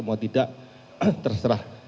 mau tidak terserah